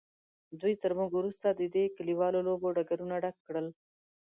دوی تر موږ وروسته د دې کلیوالو لوبو ډګرونه ډک کړل.